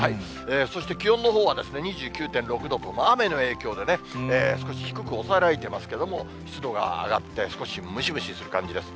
そして気温のほうは２９．６度と、雨の影響で、少し低く抑えられていますけれども、湿度が上がって、少しムシムシする感じです。